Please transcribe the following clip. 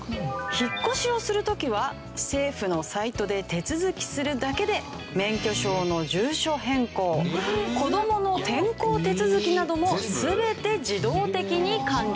引っ越しをする時は政府のサイトで手続きするだけで免許証の住所変更子どもの転校手続きなども全て自動的に完了。